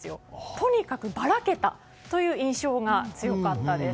とにかくばらけたという印象が強かったです。